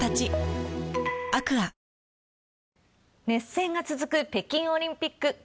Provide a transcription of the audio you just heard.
熱戦が続く北京オリンピック。